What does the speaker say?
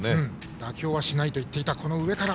妥協はしないと言っていたこの上から。